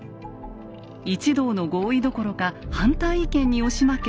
一同の合意どころか反対意見に押し負け